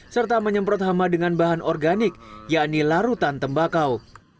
serta menyemprot hama dengan bahan organik yakni larutan tembakau